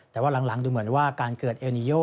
แต่ว่าหลังดูเหมือนว่าการเกิดเอลนิโย